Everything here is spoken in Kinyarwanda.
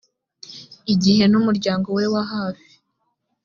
igihe n umuryango we wa hafi